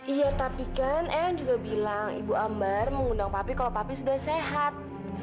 iya tapi kan eng juga bilang ibu ambar mengundang papi kalau papi sudah sehat